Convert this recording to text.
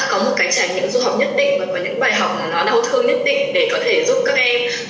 cũng là người anh người việt